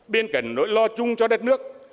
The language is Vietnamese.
bên cạnh nỗi lo chung cho đất nước